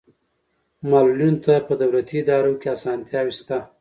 معلولینو ته په دولتي ادارو کې اسانتیاوې شته.